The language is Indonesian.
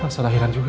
masa lahiran juga